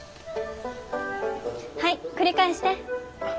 はい繰り返して。